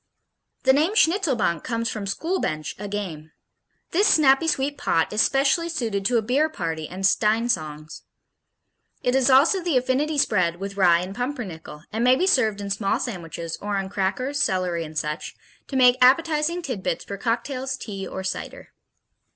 The name Schnitzelbank comes from "school bench," a game. This snappy sweet pot is specially suited to a beer party and stein songs. It is also the affinity spread with rye and pumpernickel, and may be served in small sandwiches or on crackers, celery and such, to make appetizing tidbits for cocktails, tea, or cider.